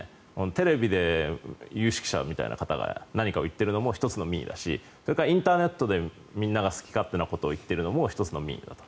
テレビで有識者みたいな方が何かを言っているのも１つの民意だしそからインターネットでみんなが好き勝手なことを言っているのも１つの民意だと。